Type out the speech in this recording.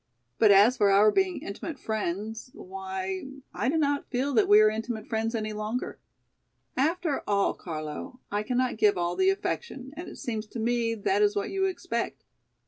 But as for our being intimate friends, why, I do not feel that we are intimate friends any longer. After all, Carlo, I cannot give all the affection and it seems to me that is what you expect.